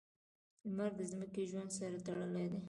• لمر د ځمکې ژوند سره تړلی دی.